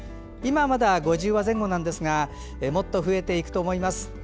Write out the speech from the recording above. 今はまだ５０羽前後ですがもっと増えていくと思います。